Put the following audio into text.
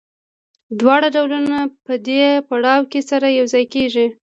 دواړه ډولونه په دې پړاو کې سره یوځای کېږي